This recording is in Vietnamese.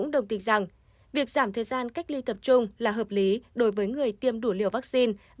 đồng tình rằng việc giảm thời gian cách ly tập trung là hợp lý đối với người tiêm đủ liều vaccine